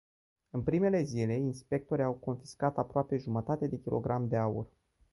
În primele zile inspectorii au confiscat aproape jumătate de kilogram de aur.